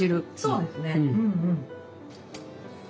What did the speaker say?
そうですね。